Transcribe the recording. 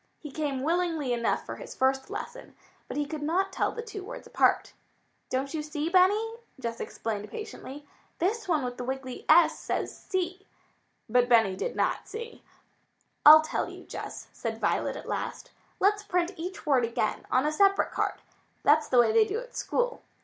He came willingly enough for his first lesson, but he could not tell the two words apart. "Don't you see, Benny?" Jess explained patiently. "This one with the wiggly s says see?" But Benny did not "see." "I'll tell you, Jess," said Violet at last. "Let's print each word again on a separate card. That's the way they do at school.